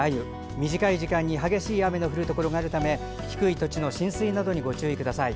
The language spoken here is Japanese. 短い時間に激しい雨の降るところがあるため低い土地の浸水などにご注意ください。